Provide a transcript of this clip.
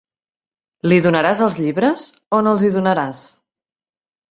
Li donaràs els llibres o no els hi donaràs?